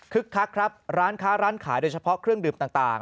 คักครับร้านค้าร้านขายโดยเฉพาะเครื่องดื่มต่าง